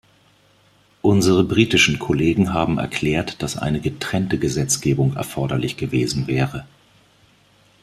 Unsere britischen Kollegen haben erklärt, dass eine getrennte Gesetzgebung erforderlich gewesen wäre.